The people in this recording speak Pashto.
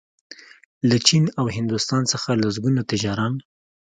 له چین او هندوستان څخه لسګونه تجاران